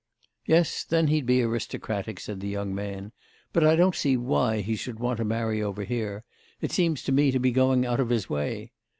"Yes, then he'd be aristocratic," said the young man. "But I don't see why he should want to marry over here; it seems to me to be going out of his way.